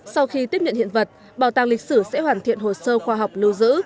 sau khi tiếp nhận hiện vật bảo tàng lịch sử sẽ hoàn thiện hồ sơ khoa học lưu giữ